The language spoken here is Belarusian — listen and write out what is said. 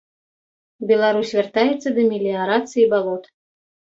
Беларусь вяртаецца да меліярацыі балот.